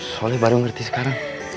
soleh baru ngerti sekarang